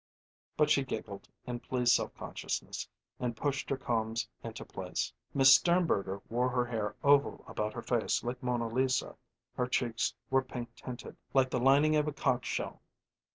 But she giggled in pleased self consciousness and pushed her combs into place Miss Sternberger wore her hair oval about her face like Mona Lisa; her cheeks were pink tinted, like the lining of a conch shell.